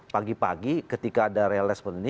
pagi pagi ketika ada realis seperti ini